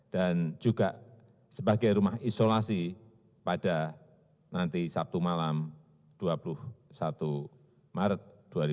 juga sebagai rumah isolasi pada nanti sabtu malam dua puluh satu maret dua ribu dua puluh